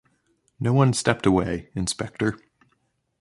No one stepped away, inspector.